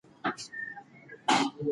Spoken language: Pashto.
د هېټلر مجسمه له ده سره وه.